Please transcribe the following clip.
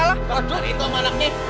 eh alah bodoh itu sama anaknya